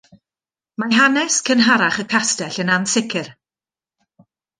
Mae hanes cynharach y castell yn ansicr.